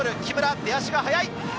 出足が速い。